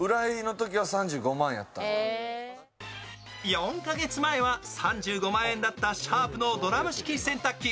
４か月前は３５万円だったシャープのドラム式洗濯機。